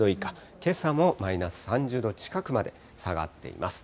けさもマイナス３０度近くまで下がっています。